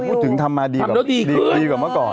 พูดถึงทำมาดีกว่าดีกว่าเมื่อก่อน